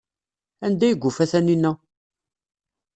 Anda ay yufa Taninna?